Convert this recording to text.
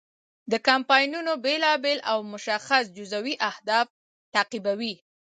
دا کمپاینونه بیلابیل او مشخص جزوي اهداف تعقیبوي.